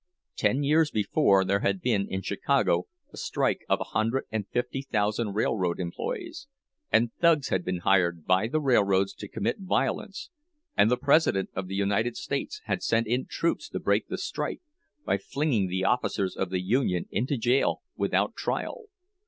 Ten years before there had been in Chicago a strike of a hundred and fifty thousand railroad employees, and thugs had been hired by the railroads to commit violence, and the President of the United States had sent in troops to break the strike, by flinging the officers of the union into jail without trial.